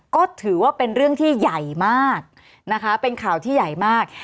ก็ถือว่าเป็นเรื่องที่ใหญ่มากนะคะเป็นข่าวที่ใหญ่มาก